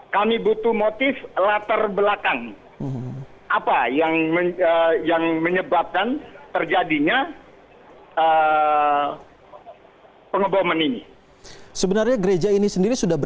kami butuh motif latar belakang apa yang menyebabkan terjadinya